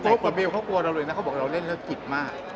แต่โฟปกับวิวเขากลัวเราเลยนะเขาบอกว่าเราเล่นจิตมาก